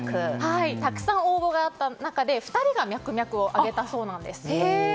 たくさん応募があった中で２人がミャクミャクを挙げたそうです。